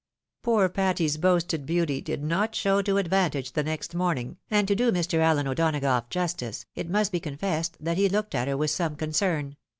Poor Patty's boasted beauty did not show to advantage the next morning, and, to do Mr. Allen O'Donagough justice, it must be confessed that he looked at her with some concern.